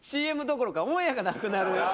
ＣＭどころかオンエアがなくなる・